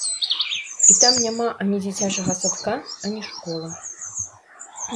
І там няма ані дзіцячага садка, ані школы.